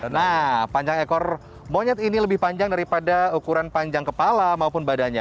nah panjang ekor monyet ini lebih panjang daripada ukuran panjang kepala maupun badannya